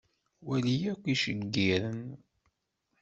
Wali akk iceggiren.